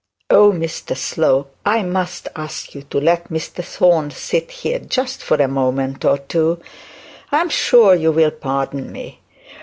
'Oh, Mr Slope, I must ask you to let Mr Thorne sit here just for a moment or two. I am sure you will pardon me.